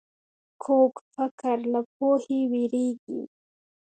کوږ فکر له پوهې وېرېږي